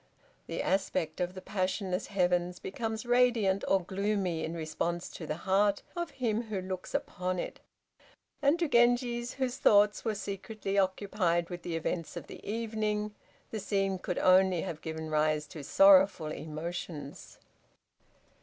The aspect of the passionless heavens becomes radiant or gloomy in response to the heart of him who looks upon it. And to Genji, whose thoughts were secretly occupied with the events of the evening, the scene could only have given rise to sorrowful emotions.